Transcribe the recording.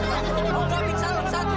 kenapa sih kamu gak mau angkat telepon dari aku